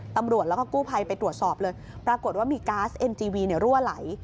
ตำรวจแล้วก็กู้ภัยไปตรวจสอบเลยปรากฏว่ามีก๊าซเอ็นจีวีรั่วไหล